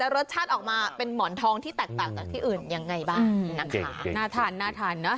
รสชาติออกมาเป็นหมอนทองที่แตกต่างจากที่อื่นยังไงบ้างนะคะน่าทานน่าทานเนอะ